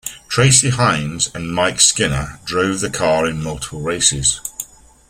Tracy Hines and Mike Skinner drove the car in multiple races.